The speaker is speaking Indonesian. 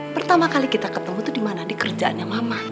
pertama kali kita ketemu tuh dimana di kerjaan mama